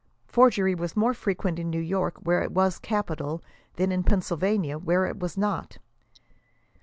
Forgery was more frequent in New York, where it was capital, than in Pennsylvania, where it was not.